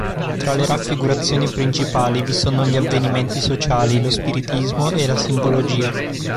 Tra le raffigurazioni principali vi sono gli avvenimenti sociali, lo spiritismo e la simbologia.